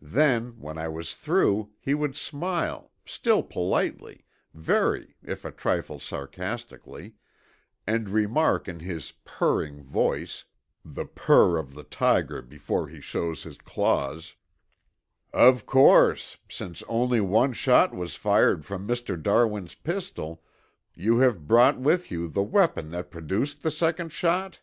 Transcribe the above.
Then, when I was through he would smile, still politely, very, if a trifle sarcastically, and remark in his purring voice (the purr of the tiger before he shows his claws): "'Of course, since only one shot was fired from Mr. Darwin's pistol, you have brought with you the weapon that produced the second shot?'